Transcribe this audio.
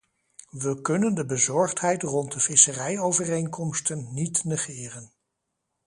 We kunnen de bezorgdheid rond de visserijovereenkomsten niet negeren.